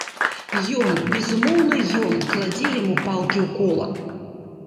Ён, безумоўна ён, кладзе яму палкі ў кола!